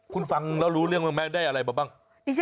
คุณฟังแล้วรู้เรื่องมั้ยได้อะไรแบบบ้าง